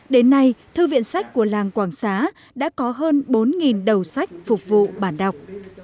đến nay thư viện sách của làng quảng xá đã có hơn bốn đầu sách phục vụ bản đọc